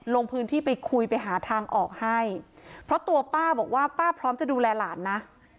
ลงพื้นที่ไปคุยไปหาทางออกให้เพราะตัวป้าบอกว่าป้าพร้อมจะดูแลหลานนะ